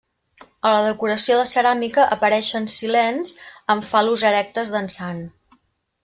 A la decoració de ceràmica apareixen silens amb fal·lus erectes dansant.